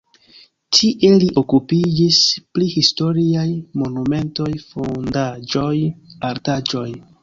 Tie li okupiĝis pri historiaj monumentoj, fondaĵoj, artaĵoj.